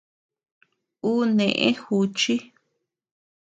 Ú neʼë juchi.